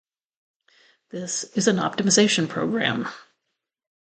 This is an optimization programme.